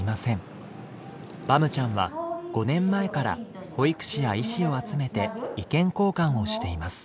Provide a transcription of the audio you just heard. バムちゃんは５年前から保育士や医師を集めて意見交換をしています。